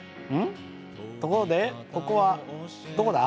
ところで、ここはどこだ？